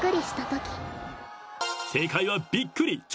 正解は「びっくり」